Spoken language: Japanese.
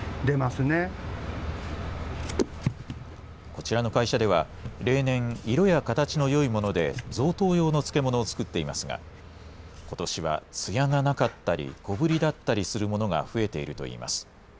こちらの会社では、例年、色や形のよいもので贈答用の漬物を作っていますが、ことしはつやがなかったり、小ぶりだったりするものが増えているといいます。